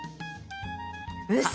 うそ！